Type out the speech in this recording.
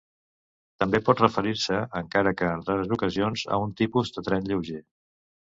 També pot referir-se, encara que en rares ocasions, a un tipus de tren lleuger.